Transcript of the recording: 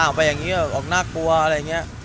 ไปอย่างนี้ออกน่ากลัวอะไรอย่างนี้